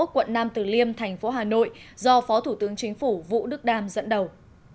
quận nam từ liêm thành phố hà nội do phó thủ tướng chính phủ vũ đức đam dẫn đầu